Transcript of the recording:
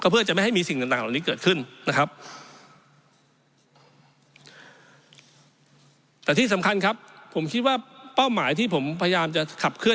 เพื่อจะไม่ให้มีสิ่งต่างเกิดขึ้นนะครับ